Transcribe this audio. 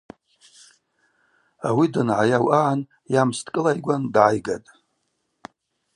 Ауи дангӏайау агӏан йамс дкӏылайгван дгӏайгатӏ.